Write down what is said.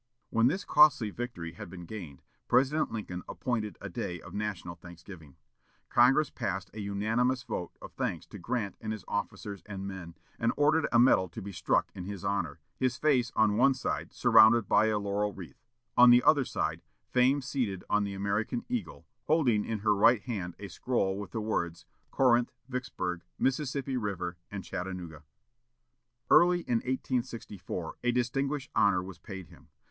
When this costly victory had been gained, President Lincoln appointed a day of national thanksgiving. Congress passed a unanimous vote of thanks to Grant and his officers and men, and ordered a medal to be struck in his honor: his face on one side, surrounded by a laurel wreath; on the other side, Fame seated on the American eagle, holding in her right hand a scroll with the words, Corinth, Vicksburg, Mississippi River, and Chattanooga. Early in 1864, a distinguished honor was paid him.